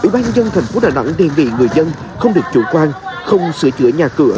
phố đà nẵng đề nghị người dân không được chủ quan không sửa chữa nhà cửa